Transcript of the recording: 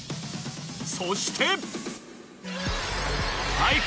そして。